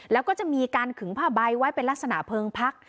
แล้วก็จะมีการขึงผ้าใบไว้เป็นลักษณะเพลิงพัก